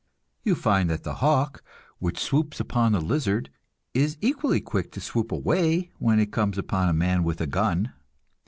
You find that the hawk, which swoops upon the lizard, is equally quick to swoop away when it comes upon a man with a gun.